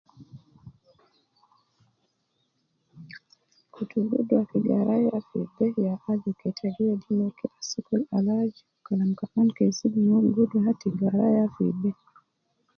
Kutu gudra fi garaya fi be ya aju keta gi wedi no kila sokol al waju Kalam kaman ke zidu nomon gudra te garaya fi be.